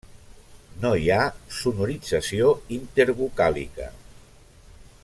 No hi ha sonorització intervocàlica.